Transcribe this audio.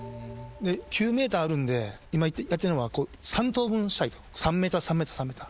９ｍあるんで今やってんのは３等分したいと３ｍ３ｍ３ｍ。